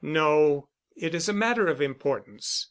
"No. It is a matter of importance.